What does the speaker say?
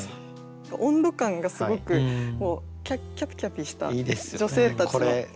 温度感がすごくキャピキャピした女性たちの。